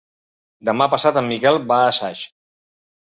Demà passat en Miquel va a Saix.